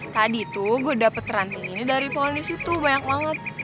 tadi tuh gue dapet teranting ini dari pohon disitu banyak banget